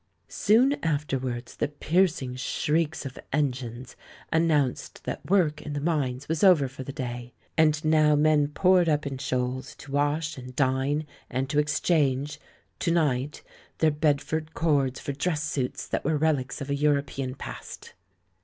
Soon afterwards the piercing shrieks of en gines announced that work in the mines was over for the day; and now men poured up in shoals, THE LAURELS AND THE LADY 95 to wash, and dine, and to exchange — to night — their Bedford cords for dress suits that were rel ics of a European past.